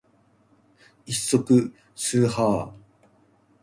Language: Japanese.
一足す一は一ー